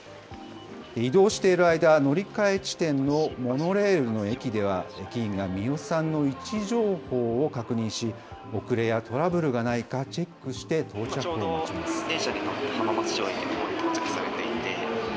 移動している間、乗り換え地点のモノレールの駅では、駅員が三代さんの位置情報を確認し、遅れやトラブルがないかチェックして到着を待ちます。